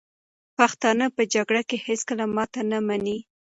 پښتانه په جګړه کې هېڅکله ماته نه مني.